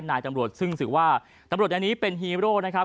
นายตำรวจซึ่งถือว่าตำรวจอันนี้เป็นฮีโร่นะครับ